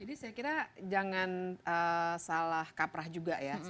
jadi saya kira jangan salah kaprah juga ya